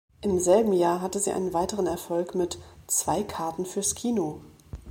Im selben Jahr hatte sie einen weiteren Erfolg mit "Zwei Karten für's Kino".